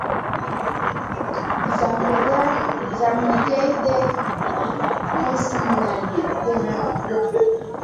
Zamagé day hay sinèh ɗenŋa.